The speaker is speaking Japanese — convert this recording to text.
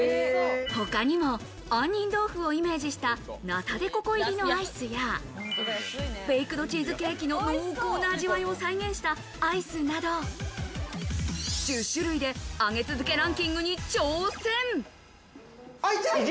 他にも杏仁豆腐をイメージしたナタデココ入りのアイスやベイクドチーズケーキの濃厚な味わいを再現したアイスなど、１０種類で上げ続けランキングに挑戦。